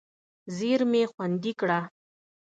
زېرمې خوندي کړه.